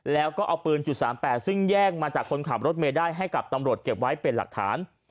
แล้วก็เอาปืน๓๘ซึ่งแย่งมาจากคนขับรถเมย์ได้ให้กับตำรวจเก็บไว้เป็นหลักฐาน